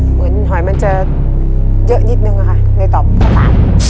เหมือนหอยมันจะเยอะนิดนึงนะคะในตอบต่อปะ